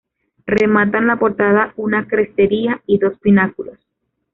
Rematan la portada una crestería y dos pináculos.